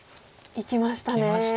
いきました。